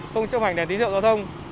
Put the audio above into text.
không chống hành đèn tín hiệu giao thông